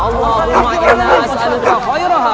allahumma inna as'alatah khairaha